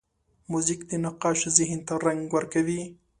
موزیک د نقاش ذهن ته رنګ ورکوي.